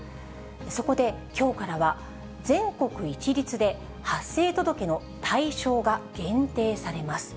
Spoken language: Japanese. そこで、きょうからは全国一律で発生届の対象が限定されます。